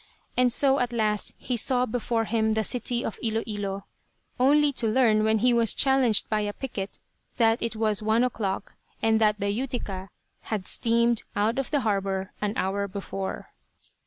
And so, at last, he saw before him the city of Ilo Ilo, only to learn, when he was challenged by a picket, that it was one o'clock and that the Utica had steamed out of the harbour an hour before.